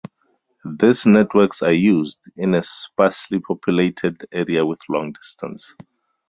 These networks are used in sparsely populated areas with long distance.